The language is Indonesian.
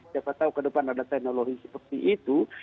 siapa tahu ke depan ada teknologi seperti itu